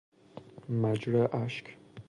مجرا اشک